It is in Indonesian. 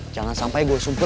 jangan sampai gue sumpel